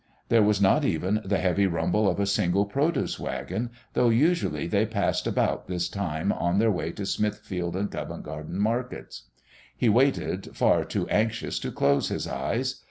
There was not even the heavy rumble of a single produce wagon, though usually they passed about this time on their way to Smithfield and Covent Garden markets. He waited, far too anxious to close his eyes....